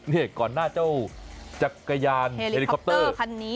นี่ก่อนหน้าเจ้าจักรยานเฮลิคอปเตอร์คันนี้